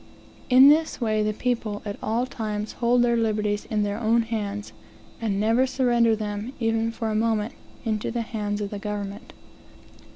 In this way, the people, at all times, hold their liberties in their own hands, and never surrender them, even for a moment, into the hands of the government.